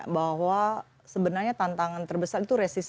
bahwa sebenarnya tantangan terbesar itu resistensi